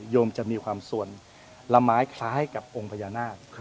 มจะมีความส่วนละไม้คล้ายกับองค์พญานาค